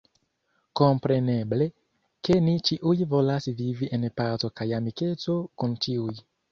Kompreneble, ke ni ĉiuj volas vivi en paco kaj amikeco kun ĉiuj.